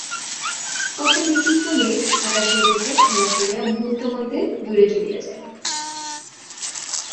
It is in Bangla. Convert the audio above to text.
কত বিচিত্র মেঘ আকাশের বুকে খেলা করিয়া মুহূর্তমধ্যে দূরে চলিয়া যায়।